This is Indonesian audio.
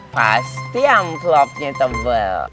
pasti yang klopnya tebel